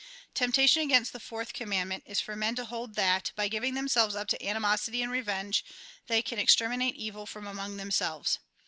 Temptation against the fourth commandment is. A RECAPITULATION 203 for men to hold that, by giving themselves up to animosity and revenge, they can exterminate evil from among themselves.